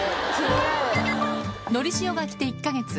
のりしおが来て１か月。